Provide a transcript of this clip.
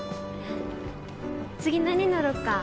次何乗ろっか？